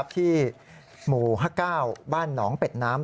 ที่หมู่๕๙บ้านหนองเป็ดน้ำ